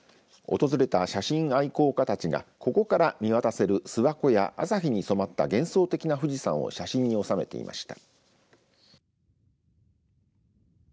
訪れた写真愛好家たちがここから見渡せる諏訪湖や朝日に染まった幻想的な富士山を写真に収めていました。